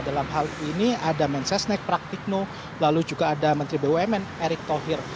dalam hal ini ada mensesnek praktikno lalu juga ada menteri bumn erick thohir